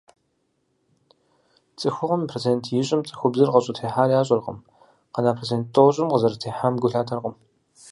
Цӏыхухъум и процент ищӏым цӏыхубзыр къыщӏытехьар ящӏэркъым, къэна процент тӏощӏым къызэрытехьам гу лъатэркъым.